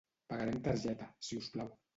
Pagaré amb targeta, si us plau.